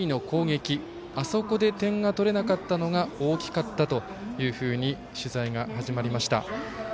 まず初めに６回の攻撃あそこで点が取れなかったのが大きかったというふうに取材が始まりました。